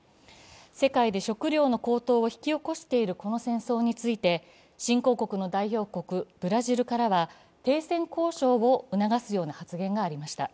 世界で食料の高騰を引き起こしているこの戦争について新興国の代表国、ブラジルからは停戦交渉を促すような発言がありました。